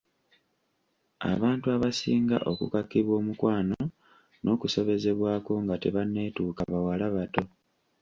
Abantu abasinga okukakibwa omukwana n'okusobezebwako nga tebanneetuuka bawala bato.